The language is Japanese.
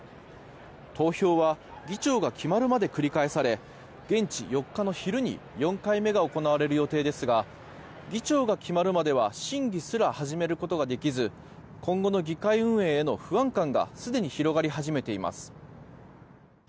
投票は議長が決まるまで繰り返され現地４日の昼に４回目が行われる予定ですが議長が決まるまでは審議すら始めることができず今後の議会運営への不安感がすでに広がり始めています。